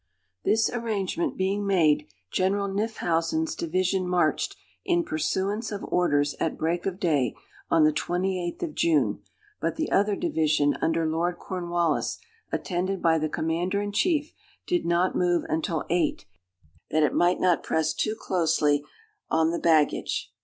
This arrangement being made, General Knyphausen's division marched, in pursuance of orders, at break of day, on the 28th of June; but the other division, under Lord Cornwallis, attended by the Commander in chief, did not move until eight, that it might not press too closely on the baggage.